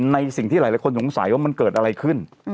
สิ่งที่หลายคนสงสัยว่ามันเกิดอะไรขึ้น